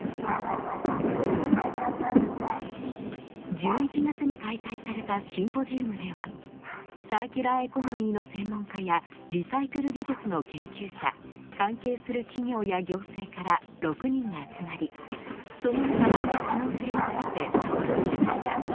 １１月に開催されたシンポジウムではサーキュラーエコノミーの専門家やリサイクル技術の研究者関係する企業や行政から６人が集まりその課題や可能性について討論しました。